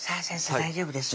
大丈夫ですね